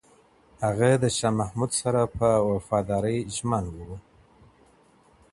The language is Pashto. هغه د شاه محمود سره په وفادارۍ ژمن و.